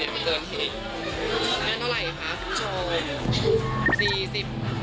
แกงใหญ่สุด